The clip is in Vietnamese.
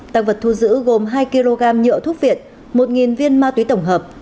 tăng vật thu giữ gồm hai kg nhựa thuốc việt một viên ma túy tổng hợp